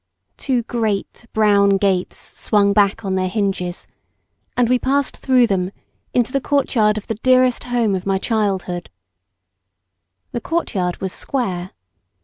Two great brown. gates swung back on their hinges and we passed through them into the courtyard of the dearest home of my childhood. The courtyard was square.